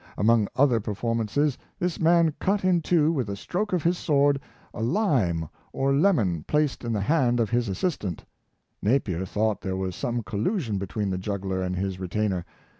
Among other performances this man cut in two with a stroke of his sword a lime or lemon placed in the hand of his assistant Napier thought there was some collusion between the juggler and his retainer.